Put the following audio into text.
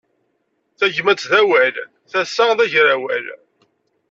Tagmat d awal, tasa d agrawal.